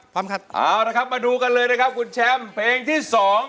เอาละครับมาดูกันเลยนะครับคุณแชมป์เพลงที่๒